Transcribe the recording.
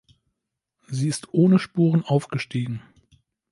Sie ist ohne Spuren aufgestiegen.